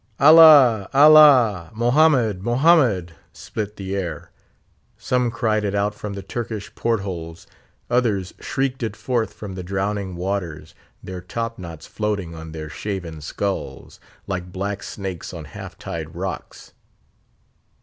'Allah! Allah! Mohammed! Mohammed!' split the air; some cried it out from the Turkish port holes; others shrieked it forth from the drowning waters, their top knots floating on their shaven skulls, like black snakes on half tide rocks.